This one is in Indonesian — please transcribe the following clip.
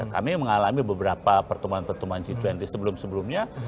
kami mengalami beberapa pertemuan pertemuan g dua puluh sebelum sebelumnya